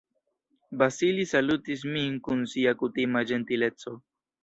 Vasili salutis min kun sia kutima ĝentileco.